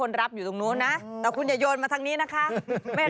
คนรับอยู่ตรงนู้นแต่อย่าโยนมาทักนี้ไม่รับ